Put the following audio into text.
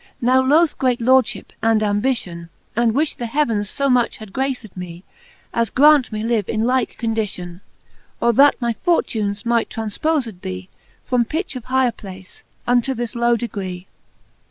Now loath great Lordfhip and ambition ; And wifh th' heavens fo much had graced mce, As graunt me live in like condition ; Or that my fortunes might tranfpofed bee From pitch of higher place, unto this low degree.